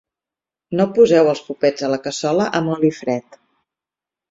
No poseu els popets a la cassola amb l'oli fred.